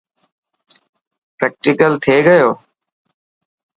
پريڪٽيڪل ٿئي گيو.